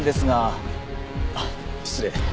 あっ失礼。